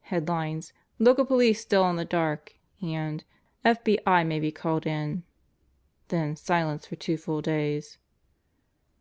Headlines: 'Local Police Still in the Dark 9 and 'FBI May Be Called In.' Then silence for two full days."